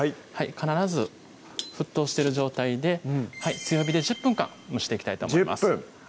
必ず沸騰してる状態で強火で１０分間蒸していきたいと思います